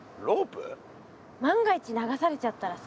万が一流されちゃったらさ。